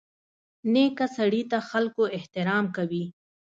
نیکه سړي ته خلکو احترام کوي.